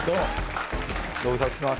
ご無沙汰してます。